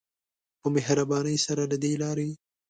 په مهربانی سره له دی لاری.